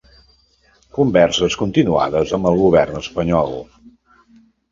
Converses continuades amb el govern espanyol.